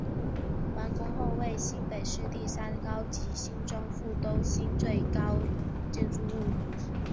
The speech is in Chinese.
完工后为新北市第三高及新庄副都心最高建筑物。